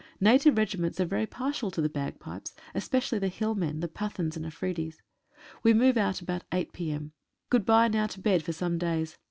Native regiments are very partial to the bagpipes, especially the hillmen — the Pathans and Afridis. We move out about 8 p.m. Goodbye, now to bed for some days.